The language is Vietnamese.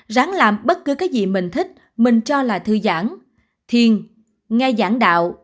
ráng làm bất cứ cái gì mình thích mình cho là thư giãn thiên nghe giảng đạo